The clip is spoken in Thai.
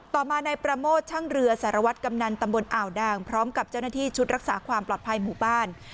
ต่อมานายประโมทช่างเรือสารวัตรกำนันตำบลอ่าวดางพร้อมกับเจ้าหน้าที่ชุดรักษาความปลอดภัยหมู่บ้าน